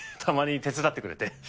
たまに手伝ってくれて。